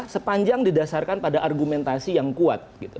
sepanjang didasarkan pada argumentasi yang kuat